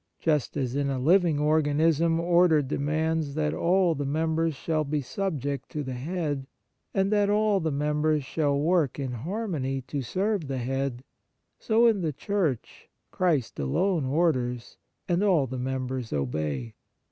Just as in a living organism order demands that all the members shall be subject to the head, and that all the members shall work in har mony to serve the head, so in the Church, Christ alone orders, and all the members obey.